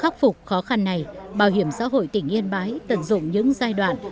khắc phục khó khăn này bảo hiểm xã hội tỉnh yên bái tận dụng những giai đoạn